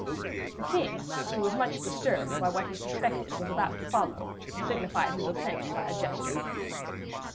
The king, who was much disturbed by what he suspected was about to follow, signified his assent by a gesture.